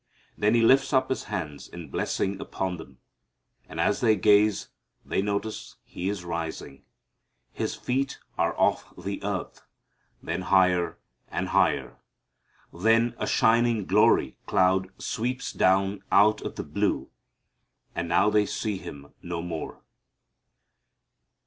Then He lifts up His hands in blessing upon them. And as they gaze they notice He is rising, His feet are off the earth, then higher and higher. Then a shining glory cloud sweeps down out of the blue, and now they see Him no more.